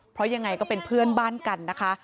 เพราะยังไงก็เป็นเพื่อนบ้านกันนะคะ